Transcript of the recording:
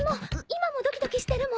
今もドキドキしてるもん。